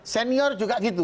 senior juga begitu